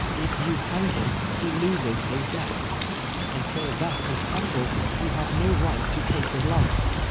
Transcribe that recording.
If you hang him he loses his debt, lentil that is canceled you have no right to take his life.